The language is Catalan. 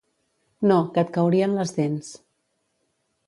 No, que et caurien les dents.